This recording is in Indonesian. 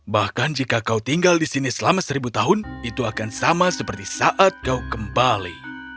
bahkan jika kau tinggal di sini selama seribu tahun itu akan sama seperti saat kau kembali